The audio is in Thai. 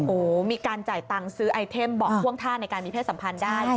โอ้โหมีการจ่ายตังค์ซื้อไอเทมบอกท่วงท่าในการมีเพศสัมพันธ์ได้